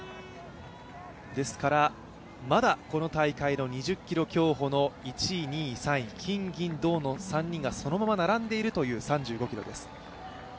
ですからまだこの大会の２０ｋｍ競歩の１位、２位、３位、金、銀、銅の３人がそのまま並んでいるという３５ｋｍです。